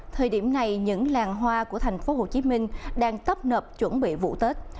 thời điểm này những làng hoa của tp hcm đang tấp nập chuẩn bị vụ tết